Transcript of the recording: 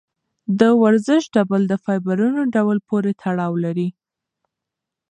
د ورزش ډول د فایبرونو ډول پورې تړاو لري.